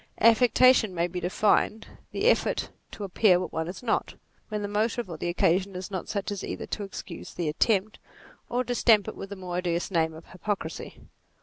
Affectation may be defined, the effort to appear what one is not, when the motive or the occasion is not such as either to excuse the attempt, or to stamp ifc with the more odious name of hypocrisy.